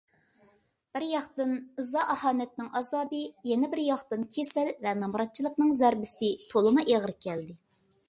بىرياقتىن ئىزا - ئاھانەتنىڭ ئازابى، يەنە بىرياقتىن كېسەل ۋە نامراتچىلىقنىڭ زەربىسى تولىمۇ ئېغىر كەلدى.